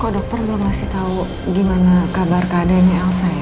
dokter belum ngasih tahu gimana kabar keadaannya elsa ya